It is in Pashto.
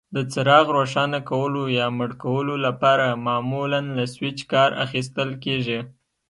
د څراغ روښانه کولو یا مړ کولو لپاره معمولا له سویچ کار اخیستل کېږي.